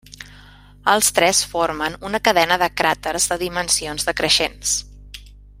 Els tres formen una cadena de cràters de dimensions decreixents.